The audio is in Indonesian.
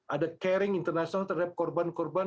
ada caring international terhadap korban korban